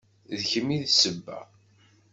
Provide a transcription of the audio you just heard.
D kemm i d sebba.